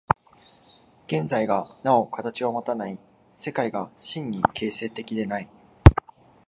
現在がなお形をもたない、世界が真に形成的でない。